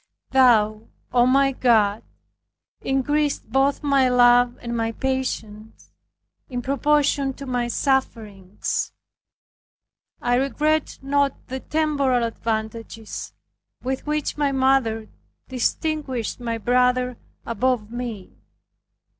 Thou, O my God, increased both my love and my patience, in proportion to my sufferings. I regretted not the temporal advantages with which my mother distinguished my brother above me.